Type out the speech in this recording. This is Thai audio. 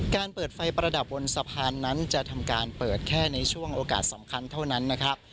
เปิดไฟประดับบนสะพานนั้นจะทำการเปิดแค่ในช่วงโอกาสสำคัญเท่านั้นนะครับ